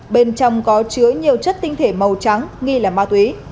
bên trong có chứa nhiều chất tinh thể màu trắng nghi là ma túy